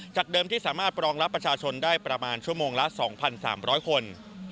เดิมที่สามารถรองรับประชาชนได้ประมาณชั่วโมงละ๒๓๐๐คน